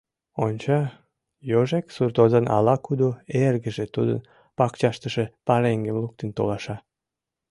Онча: йожек суртозан ала-кудо эргыже тудын пакчаштыже пареҥгым луктын толаша.